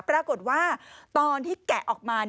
ปรากฏว่าตอนที่แกะออกมา